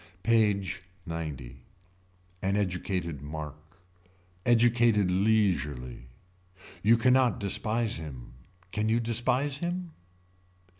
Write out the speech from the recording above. PAGE XC. An educated mark. Educated leisurely. You can not despise him. Can you despise him.